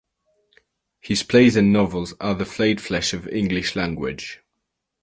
His plays and novels are the flayed flesh of English language.